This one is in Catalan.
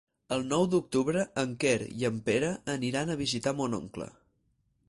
El nou d'octubre en Quer i en Pere aniran a visitar mon oncle.